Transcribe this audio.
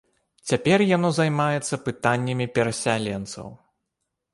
Цяпер яно займаецца пытаннямі перасяленцаў.